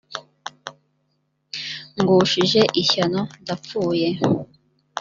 ngushije ishyano ndapfuye